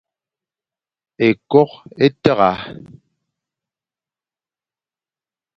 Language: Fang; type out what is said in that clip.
Ékôkh é tagha.